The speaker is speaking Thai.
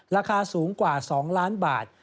ราคาสูงกว่า๒ล้านบาท